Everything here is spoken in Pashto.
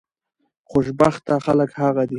خوشبخته خلک هغه دي